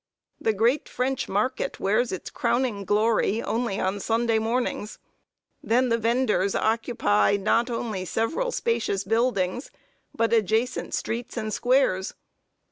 The great French market wears its crowning glory only on Sunday mornings. Then the venders occupy not only several spacious buildings, but adjacent streets and squares.